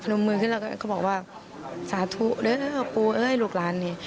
มมือขึ้นแล้วก็เขาบอกว่าสาธุเด้อปูเอ้ยลูกหลานนี่